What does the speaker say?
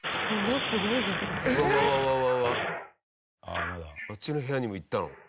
あっちの部屋にも行ったの？